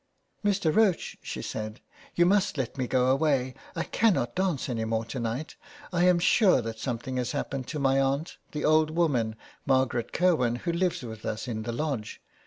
*' Mr. Roche," she said, " you must let me go away ; I cannot dance any more to night. I am sure that something has happened to my aunt, the old woman, Margaret Kirwin, who lives with us in the Lodge.